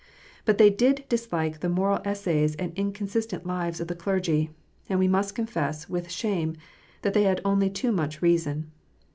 But they did dislike the moral essays and inconsistent lives of the clergy ; and we must confess, with shame, that they had only too much reason.